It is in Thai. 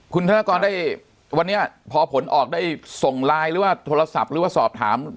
คุณธนกรได้วันนี้พอผลออกได้ส่งไลน์หรือว่าโทรศัพท์หรือว่าสอบถาม